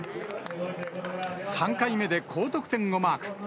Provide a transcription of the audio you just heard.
３回目で高得点をマーク。